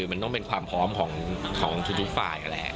มันต้องเป็นความพร้อมของทุกฝ่ายกันแหละ